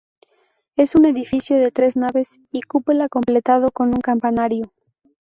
Es un edificio de tres naves y cúpula, completado con un campanario.